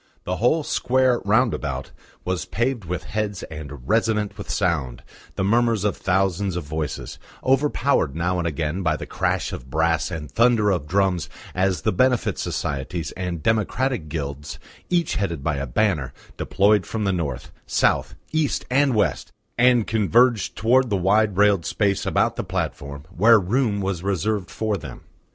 The whole square round about was paved with heads and resonant with sound, the murmurs of thousands of voices, overpowered now and again by the crash of brass and thunder of drums as the Benefit Societies and democratic Guilds, each headed by a banner, deployed from North, South, East and West, and converged towards the wide railed space about the platform where room was reserved for them.